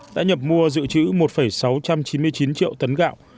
đã nhập mua dự trữ một sáu trăm chín mươi chín triệu tấn gạo